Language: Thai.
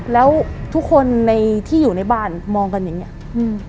แล้วทุกคนที่อยู่ในบ้านมองกันอย่างนี้